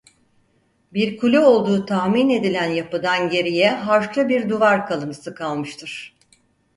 Bir kule olduğu tahmin edilen yapıdan geriye harçlı bir duvar kalıntısı kalmıştır.